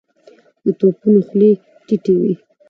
د توپونو خولې ټيټې وې.